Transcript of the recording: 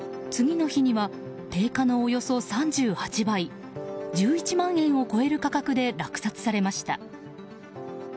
次の日には定価のおよそ３８倍１１万円を超える価格で落札されました。